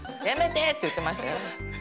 やめてって言ってましたよ。